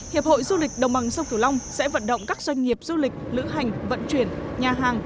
hiệp hội du lịch đồng bằng sông cửu long sẽ vận động các doanh nghiệp du lịch lữ hành vận chuyển nhà hàng